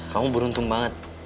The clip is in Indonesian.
kamu beruntung banget